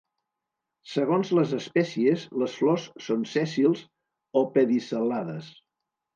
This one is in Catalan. Segons les espècies, les flors són sèssils o pedicel·lades.